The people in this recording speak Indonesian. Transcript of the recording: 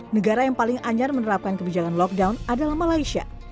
negara yang paling anyar menerapkan kebijakan lockdown adalah malaysia